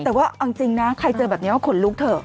แต่ว่าเอาจริงนะใครเจอแบบนี้ก็ขนลุกเถอะ